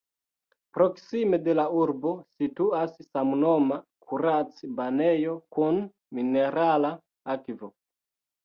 Proksime de la urbo situas samnoma kurac-banejo kun minerala akvo.